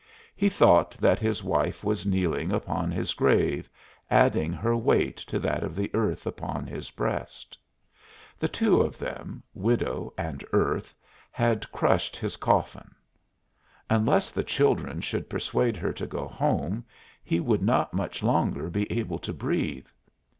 He thought that his wife was kneeling upon his grave, adding her weight to that of the earth upon his breast. The two of them, widow and earth, had crushed his coffin. Unless the children should persuade her to go home he would not much longer be able to breathe.